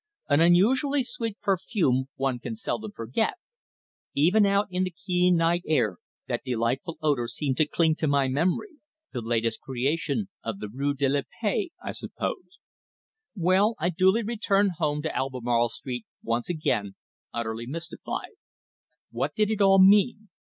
An unusually sweet perfume one can seldom forget. Even out in the keen night air that delightful odour seemed to cling to my memory the latest creation of the Rue de la Paix, I supposed. Well, I duly returned home to Albemarle Street once again, utterly mystified. What did it all mean?